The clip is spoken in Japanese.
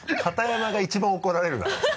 片山が一番怒られるだろ。